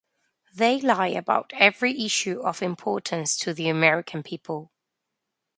They lie about every issue of importance to the American people.